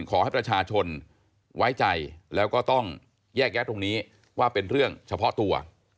ขอให้ประชาชนไว้ใจแล้วก็ต้องแยกแยะตรงนี้ว่าเป็นเรื่องเฉพาะตัว